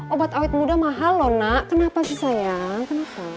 obat awet muda mahal loh nak kenapa sih sayang kenapa